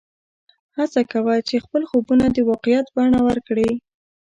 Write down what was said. هڅه کوه چې خپل خوبونه د واقعیت بڼه ورکړې